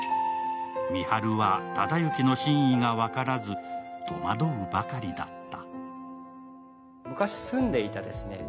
深春は忠之の真意が分からず戸惑うばかりだった。